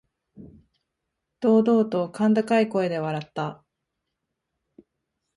堂々と甲高い声で笑った。